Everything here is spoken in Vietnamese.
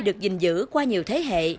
được dình dữ qua nhiều thế hệ